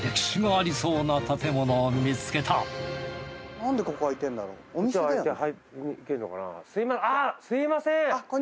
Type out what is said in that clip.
あっすみません。